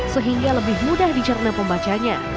sehingga lebih mudah dicerna pembacanya